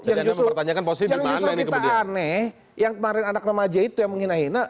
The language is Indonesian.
yang justru kita aneh yang kemarin anak remaja itu yang menghina hina